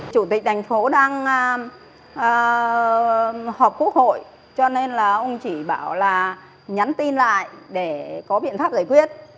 chủ tịch thành phố đang họp quốc hội cho nên là ông chỉ bảo là nhắn tin lại để có biện pháp giải quyết